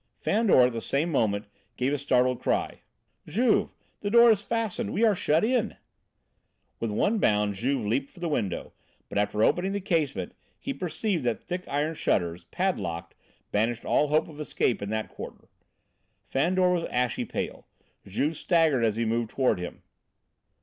Fandor, at the same moment, gave a startled cry: "Juve! the door is fastened; we are shut in!" With one bound Juve leaped for the window; but after opening the casement he perceived that thick iron shutters, padlocked, banished all hope of escape in that quarter. Fandor was ashy pale; Juve staggered as he moved toward him.